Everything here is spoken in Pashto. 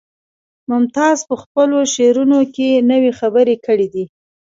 ممتاز په خپلو شعرونو کې نوې خبرې کړي دي